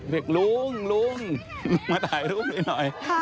เด็กลุงมาถ่ายรูปนิดหน่อย